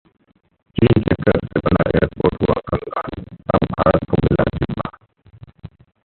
चीन के कर्ज से बना एयरपोर्ट हुआ कंगाल, अब भारत को मिला जिम्मा